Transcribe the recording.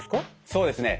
そうですね。